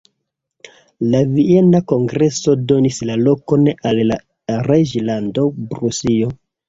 La Viena kongreso donis la lokon al la reĝlando Prusio.